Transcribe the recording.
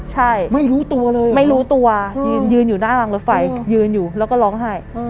ใช่ไม่รู้ตัวเลยไม่รู้ตัวยืนอยู่หน้ารางรถไฟยืนอยู่แล้วก็ร้องไห้